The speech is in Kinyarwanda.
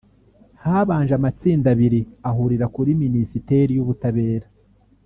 Habanje amatsinda abiri ahurira kuri Minisiteri y’Ubutabera